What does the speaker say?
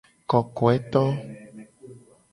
Kokoeto.